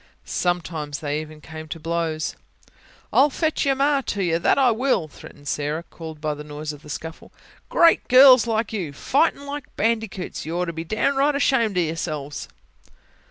Sometimes they even came to blows. "I'll fetch your ma to you that I will!" threatened Sarah, called by the noise of the scuffle. "Great girls like you fightin' like bandicoots! You ought to be downright ashamed o' yourselves."